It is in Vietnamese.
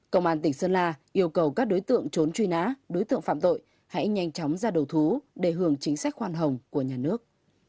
công an tỉnh sơn la yêu cầu các đối tượng trốn truy nã đối tượng phạm tội hãy nhanh chóng ra đầu thú để hưởng chính sách khoan hồng của nhà nước